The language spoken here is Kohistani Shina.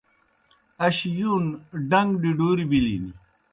اش یُون ڈݩگ ڈِڈُوریْ بِلِن۔